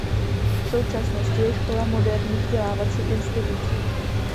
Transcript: V současnosti je škola moderní vzdělávací institucí.